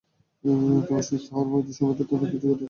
তোমার সুস্থ হওয়ার মাঝের সময়টাতে অনেক কিছু ঘটে গেছে।